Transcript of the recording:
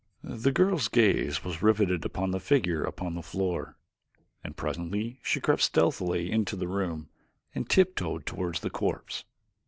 The girl's gaze was riveted upon the figure upon the floor, and presently she crept stealthily into the room and tiptoed toward the corpse.